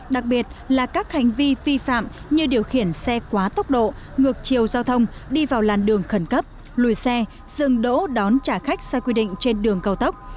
đặc biệt là các hành vi vi phạm như điều khiển xe quá tốc độ ngược chiều giao thông đi vào làn đường khẩn cấp lùi xe dừng đỗ đón trả khách sai quy định trên đường cao tốc